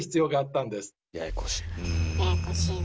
ややこしいの。